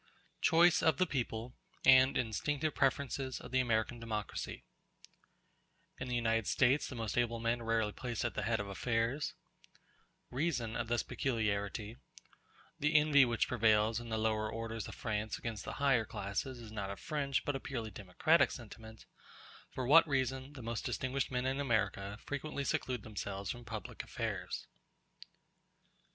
Choice Of The People, And Instinctive Preferences Of The American Democracy In the United States the most able men are rarely placed at the head of affairs—Reason of this peculiarity—The envy which prevails in the lower orders of France against the higher classes is not a French, but a purely democratic sentiment—For what reason the most distinguished men in America frequently seclude themselves from public affairs.